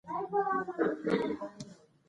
قاعده د تېروتنو مخه نیسي.